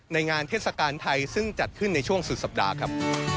งานเทศกาลไทยซึ่งจัดขึ้นในช่วงสุดสัปดาห์ครับ